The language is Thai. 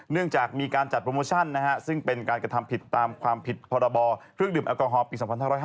เนื่องจากมีการจัดโปรโมชั่นซึ่งเป็นการกระทำผิดตามความผิดพรบเครื่องดื่มแอลกอฮอลปี๒๕๕๙